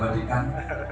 ya apa tiap badikan